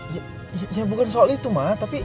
ya ya bukan soal itu ma tapi